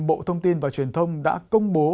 bộ thông tin và truyền thông đã công bố